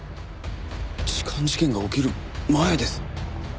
痴漢事件が起きる前です。